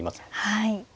はい。